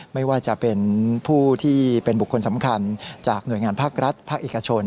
ไม่ว่าจะเป็นผู้ที่เป็นบุคคลสำคัญจากหน่วยงานภาครัฐภาคเอกชน